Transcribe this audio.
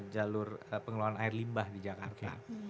jalur pengelolaan air limbah di jakarta